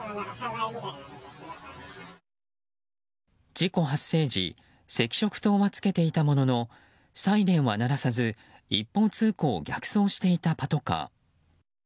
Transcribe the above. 事故発生時赤色灯はつけていたもののサイレンは鳴らさず一方通行を逆走していたパトカー。